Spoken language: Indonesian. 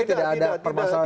tidak ada permasalahan